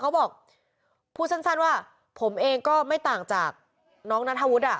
เขาบอกพูดสั้นว่าผมเองก็ไม่ต่างจากน้องนัทธวุฒิอ่ะ